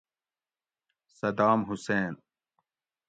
صدام حُسین